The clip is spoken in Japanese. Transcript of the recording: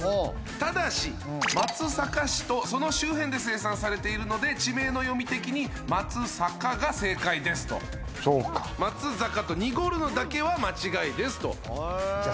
ただし松阪市とその周辺で生産されているので地名の読み的に「まつさか」が正解ですと「まつざか」と濁るのだけは間違いですとじゃあ